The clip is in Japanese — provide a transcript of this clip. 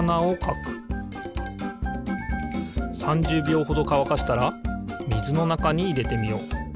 ３０びょうほどかわかしたらみずのなかにいれてみよう。